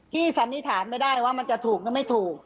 สันนิษฐานไม่ได้ว่ามันจะถูกหรือไม่ถูก